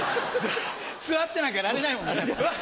座ってなんかいられないもんね。